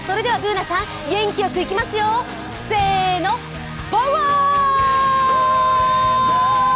Ｂｏｏｎａちゃん、元気よくいきますよ、せーの、パワー！